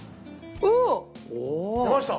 おお！出ました？